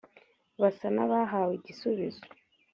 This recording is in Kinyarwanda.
basa n’abahawe igisubizo